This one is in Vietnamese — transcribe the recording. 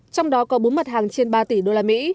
trong đó có bốn mặt hàng trên ba tỷ usd